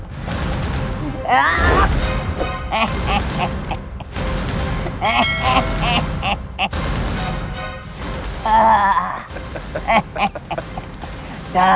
iya benar ini darah